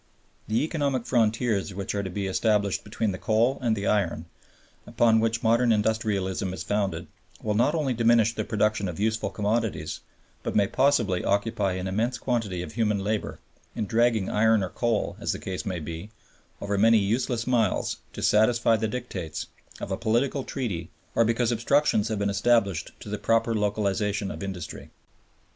The economic frontiers which are to be established between the coal and the iron, upon which modern industrialism is founded, will not only diminish the production of useful commodities, but may possibly occupy an immense quantity of human labor in dragging iron or coal, as the case may be, over many useless miles to satisfy the dictates of a political treaty or because obstructions have been established to the proper localization of industry.